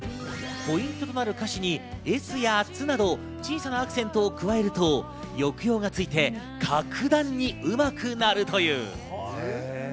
ポイントとなる歌詞に「ｓ」や「つ」など小さなアクセントを加えると、抑揚がついて格段にうまくなるという。